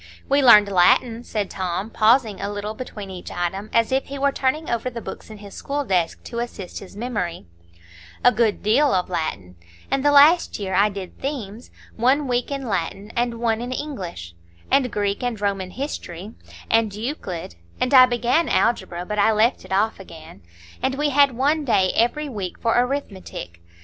"We learned Latin," said Tom, pausing a little between each item, as if he were turning over the books in his school desk to assist his memory,—"a good deal of Latin; and the last year I did Themes, one week in Latin and one in English; and Greek and Roman history; and Euclid; and I began Algebra, but I left it off again; and we had one day every week for Arithmetic.